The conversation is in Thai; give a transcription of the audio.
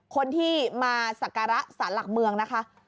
คนที่มาสักการะสารหลักเมืองนะคะ